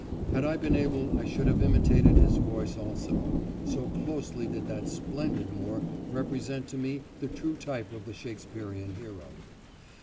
Had I been able I should have imitated his voice also, so closely did that splendid Moor represent to me the true type of the Shakespearian hero.